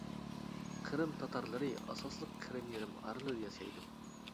قىرىم تاتارلىرى ئاساسلىقى قىرىم يېرىم ئارىلىدا ياشايدۇ.